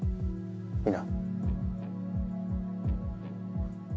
いいな？